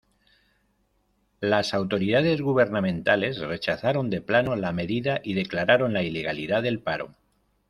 Las autoridades gubernamentales rechazaron de plano la medida y declararon la ilegalidad del paro.